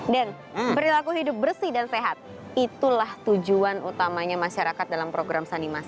dan berlaku hidup bersih dan sehat itulah tujuan utamanya masyarakat dalam program sanimas